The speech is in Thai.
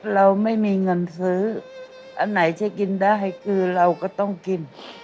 เราไม่มีเงินซื้ออันไหนจะกินได้คือเราก็ต้องกิน